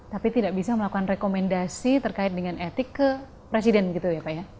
tapi tidak bisa melakukan rekomendasi terkait dengan etik ke presiden gitu ya pak ya